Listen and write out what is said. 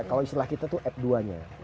kalau istilah kita itu f dua nya